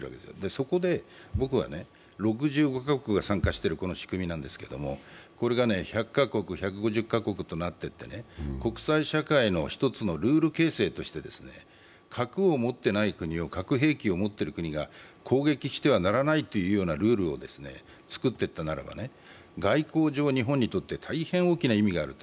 そこで僕は、６５カ国が参加しているこの仕組みなんですけど、これが１００カ国、１５０カ国となっていって国際社会の一つのルール形成として、核を持っていない国を、核兵器を持っている国が攻撃してはならないというようなルールを作っていったならば、外交上、日本にとって大変大きな意味がある。